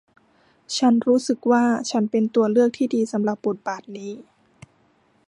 ฉันรู้สึกว่าฉันเป็นตัวเลือกที่ดีสำหรับบทบาทนี้